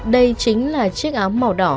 đây chính là chiếc áo màu đỏ